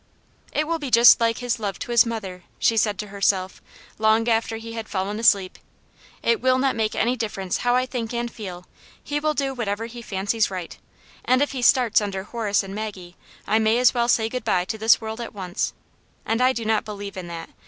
" It will be just like his love to his mother," she said to herself, long after he had fallen asleep. " It will not make any difference how I think and feci ; he will do whatever he fancies right. And if he starts under Horace and Maggie, I may as well say good bye to this world at once. And I do not believe in that.